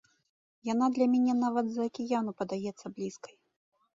Яна для мяне нават з-за акіяну падаецца блізкай.